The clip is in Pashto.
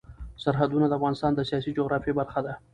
سرحدونه د افغانستان د سیاسي جغرافیه برخه ده.